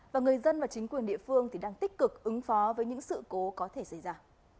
và người dân và chính quyền địa phương đang tích cực ứng phó với những sự cố có thể xảy ra